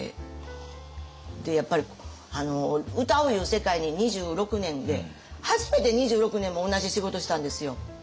やっぱり歌ういう世界に２６年で初めて２６年も同じ仕事をしたんですよ。